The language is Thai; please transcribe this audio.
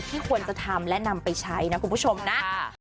ควรจะทำและนำไปใช้นะคุณผู้ชมนะ